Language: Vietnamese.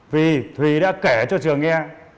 vì thùy đã kể cho trường nghe